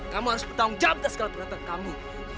kamu harus bertanggung jawab setelah ternyata kamu